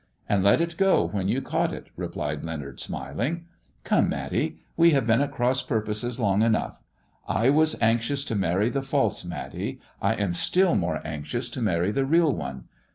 " And let it go when you caught it," replied Leonard, miling. "Come, Matty, we have been at cross piu*poses ong enough. I was anxious to marry the false Matty, I jn still more anxious to marry the real one.